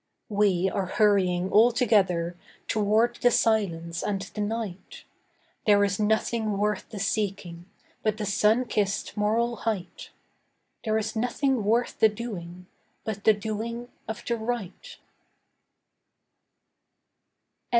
We are hurrying all together Toward the silence and the night; There is nothing worth the seeking But the sun kissed moral height— There is nothing worth the doing But the doing of the right.